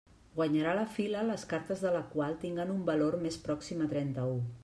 Guanyarà la fila les cartes de la qual tinguen un valor més pròxim a trenta-u.